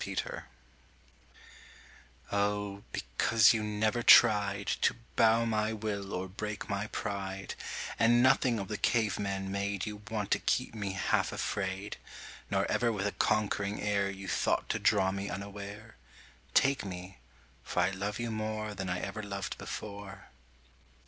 Because Oh, because you never tried To bow my will or break my pride, And nothing of the cave man made You want to keep me half afraid, Nor ever with a conquering air You thought to draw me unaware Take me, for I love you more Than I ever loved before.